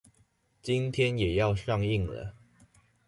今天也要上映了